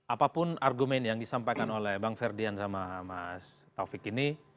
apapun argumen yang disampaikan oleh bang ferdian sama mas taufik ini